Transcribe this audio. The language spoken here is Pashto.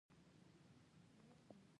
هغه ته یې د کتاب د بهترولو دنده ورکړه.